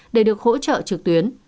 để được hỗ trợ trực tuyến